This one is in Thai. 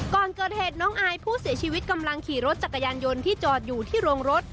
ก่อนเกิดเหตุน้องอายผู้เสียชีวิตกำลังขี่รถจักรยานยนต์ที่จอดอยู่ที่โรงรถ